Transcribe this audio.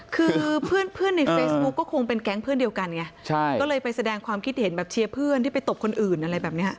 คือเพื่อนเพื่อนในเฟซบุ๊กก็คงเป็นแก๊งเพื่อนเดียวกันไงใช่ก็เลยไปแสดงความคิดเห็นแบบเชียร์เพื่อนที่ไปตบคนอื่นอะไรแบบเนี้ย